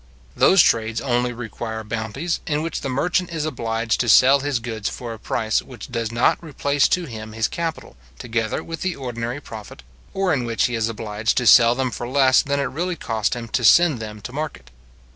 Those trades only require bounties, in which the merchant is obliged to sell his goods for a price which does not replace to him his capital, together with the ordinary profit, or in which he is obliged to sell them for less than it really cost him to send them to market.